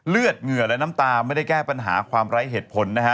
เหงื่อและน้ำตาไม่ได้แก้ปัญหาความไร้เหตุผลนะฮะ